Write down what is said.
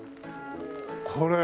これ。